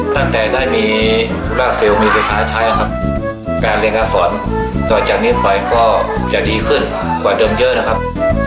ตั้งแต่ได้มีบราซิลมีไฟฟ้าใช้ครับการเรียนการสอนต่อจากนี้ไปก็จะดีขึ้นกว่าเดิมเยอะนะครับ